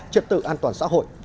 trật tự an toàn xã hội